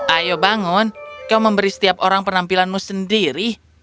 ayo bangun kau memberi setiap orang penampilanmu sendiri